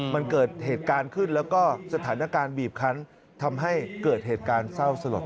มันเกิดเหตุการณ์ขึ้นแล้วก็สถานการณ์บีบคันทำให้เกิดเหตุการณ์เศร้าสลด